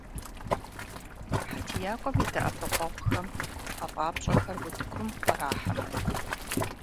ХьэтиякӀуэм и дэӀэпыкъуэгъухэм гъэфӀапщӀэхэр утыкум кърахьэрт.